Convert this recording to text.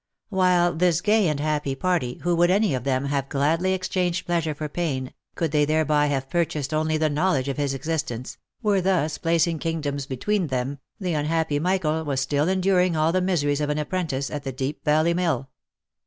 While this gay and happy party, who would any of them have gladly exchanged pleasure for pain, could they thereby have purchased only the knowledge of his existence, were thus placing kingdoms be tween them, the unhappy Michael was still enduring all the miseries of an apprentice at the Deep Valley Mill.